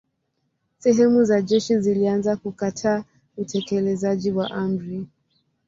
Sehemu za jeshi zilianza kukataa utekelezaji wa amri.